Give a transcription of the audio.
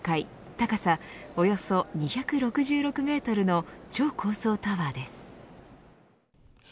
高さおよそ２６６メートルの超高層タワーです。